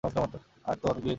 আর তোর বিয়ে কীভাবে হবে?